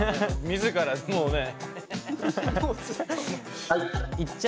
自らもうね。